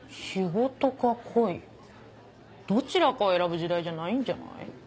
仕事か恋どちらかを選ぶ時代じゃないんじゃない？